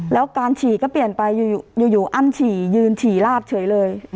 แล้วการฉี่ก็เปลี่ยนไปอยู่อั้นฉี่ยืนฉี่ลาบเฉยเลย